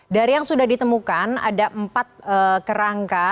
dari yang sudah ditemukan ada empat kerangka